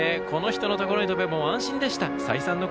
この人のところに飛べば安心でした。